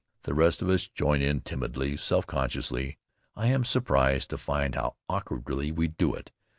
The rest of us join in timidly, self consciously. I am surprised to find how awkwardly we do it.